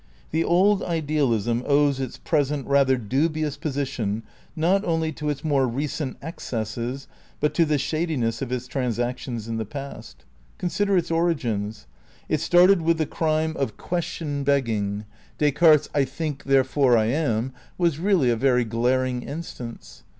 The Old Idealism owes its present rather dubious position not only to its more recent excesses, but to the shadiness of its transactions in the past. Consider its origins. It started with the crime of question 1 2 THE NEW IDEALISM i begging. Descartes 's "I think, therefore I am" was really a very glaring instance.